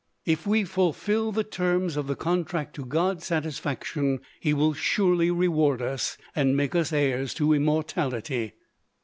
If we fulfil the terms of the contract to God's satisfaction, He will surely reward us, and make us heirs to immortality.